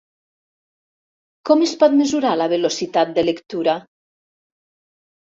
Com es pot mesurar la velocitat de lectura?